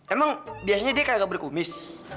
emang biasanya dia kayak gak berkumis